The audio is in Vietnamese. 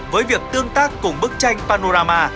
với việc tương tác cùng bức tranh panorama